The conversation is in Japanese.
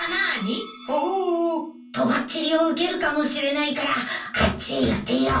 とばっちりを受けるかもしれないからあっちへ行ってよう。